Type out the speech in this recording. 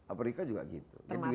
amerika juga gitu